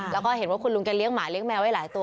แล้วก็เห็นว่าคุณลุงแกเลี้ยหมาเลี้ยแมวไว้หลายตัว